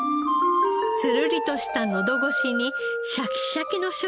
つるりとしたのど越しにシャキシャキの食感。